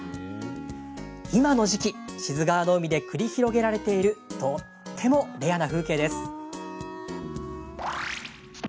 今の時期、志津川の海で繰り広げられているとってもレアな風景です。